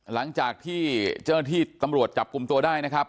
หลังจากที่เจ้าหน้าที่ตำรวจจับกลุ่มตัวได้นะครับ